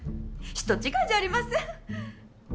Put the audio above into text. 人違いじゃありません？